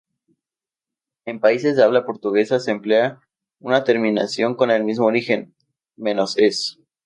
En países de habla portuguesa se emplea una terminación con el mismo origen: "-es".